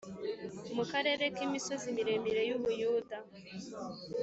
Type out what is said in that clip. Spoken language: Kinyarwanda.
mu karere k imisozi miremire y u Buyuda